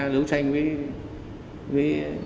đấu tranh với